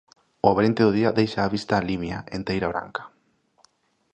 O abrente do día deixa á vista A Limia enteira branca.